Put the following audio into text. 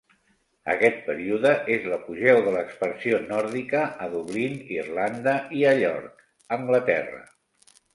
Aquest període és l'apogeu de l'expansió nòrdica a Dublin, Irlanda i a York, Anglaterra.